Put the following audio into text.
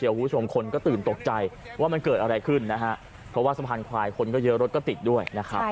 คุณผู้ชมคนก็ตื่นตกใจว่ามันเกิดอะไรขึ้นนะฮะเพราะว่าสะพานควายคนก็เยอะรถก็ติดด้วยนะครับ